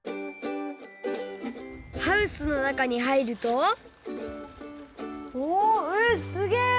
ハウスのなかにはいるとおえっ！